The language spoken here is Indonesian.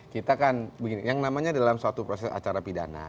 kita kan begini yang namanya dalam suatu proses acara pidana